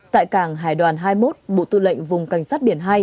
tại cảng hải đoàn hai mươi một bộ tư lệnh vùng cảnh sát biển hai